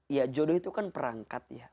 ya jodoh itu kan perangkat ya